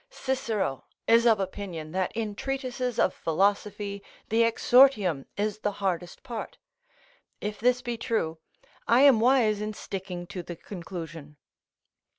Cicero is of opinion that in treatises of philosophy the exordium is the hardest part; if this be true, I am wise in sticking to the conclusion.